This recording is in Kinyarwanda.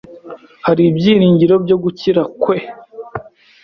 Hari ibyiringiro byo gukira kwe?